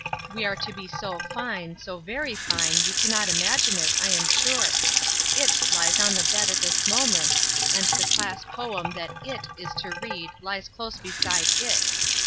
We are to be so fine, so very fine, you cannot imagine it, I am sure. IT hes on the bed at this moment, and the class poem that IT is to read lies close beside IT.